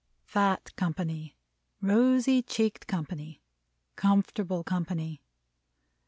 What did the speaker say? Fat company, rosy cheeked company, comfortable company.